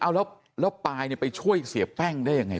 เอาแล้วปายไปช่วยเสียแป้งได้ยังไง